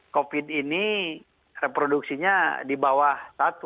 covid ini reproduksinya di bawah enam puluh dua